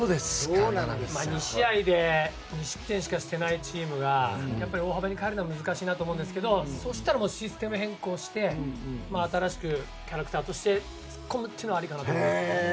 ２試合で２失点しかしていないチームが大幅に代えるのは難しいなと思うんですけどそうしたらシステム変更をして新しく、キャラクターとして突っ込むのはありかなと思います。